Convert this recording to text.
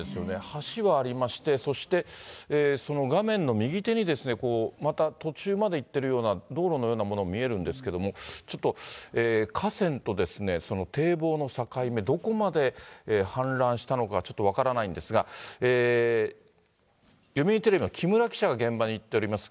橋はありまして、そしてその画面の右手にまた途中まで行ってるような、道路のようなものも見えるんですけども、ちょっと河川と堤防の境目、どこまで氾濫したのか、ちょっと分からないんですが、読売テレビのきむら記者が現場に行っております。